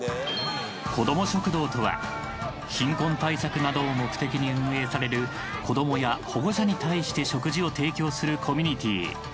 こども食堂とは貧困対策などを目的に運営される子どもや保護者に対して食事を提供するコミュニティ。